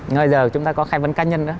ngay giờ chúng ta có khai vấn cá nhân nữa